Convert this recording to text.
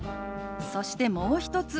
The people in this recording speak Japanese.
そしてもう一つ。